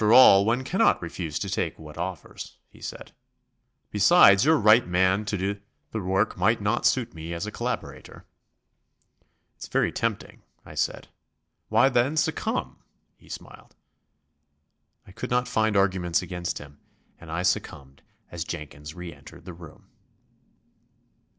"After all, one cannot refuse to take what offers," he said. "Besides, your right man to do the work might not suit me as a collaborator." "It's very tempting," I said. "Why, then, succumb," he smiled. I could not find arguments against him, and I succumbed as Jenkins re entered the room.